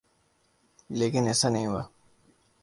لیکن ایسا نہیں ہوا۔